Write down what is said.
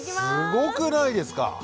すごくないですか。